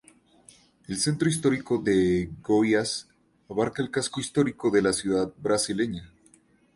El Centro histórico de Goiás abarca el casco histórico de la ciudad brasileña.